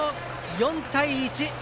４対１。